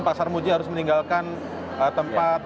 pak sarmuji harus meninggalkan tempat